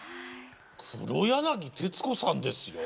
黒柳徹子さんですよ。